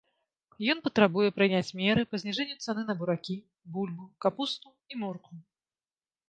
Ён патрабуе прыняць меры па зніжэнні цаны на буракі, бульбу, капусту і моркву.